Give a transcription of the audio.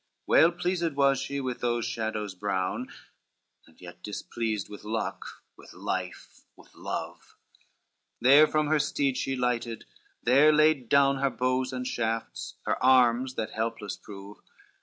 CXXIII Well pleased was she with those shadows brown, And yet displeased with luck, with life, with love; There from her steed she lighted, there laid down Her bow and shafts, her arms that helpless prove.